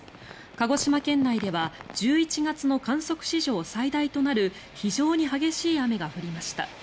鹿児島県内では１１月の観測史上最大となる非常に激しい雨が降りました。